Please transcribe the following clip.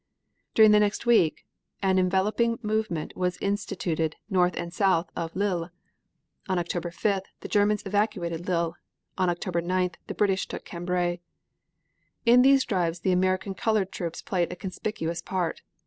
During the next week an enveloping movement was instituted north and south of Lille. On October 5th, the Germans evacuated Lille, on October 9th the British took Cambrai. In these drives the American colored troops played a conspicuous part.